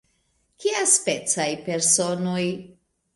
Kiaspecaj personoj?